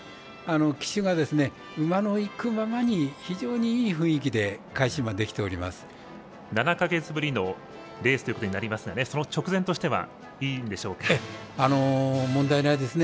騎手が馬にのいくままに非常にいい雰囲気で７か月ぶりのレースということになりますがその直前としては問題ないですね。